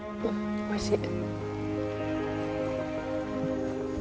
おいしいよ。